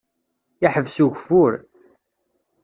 Iḥbes ugeffur.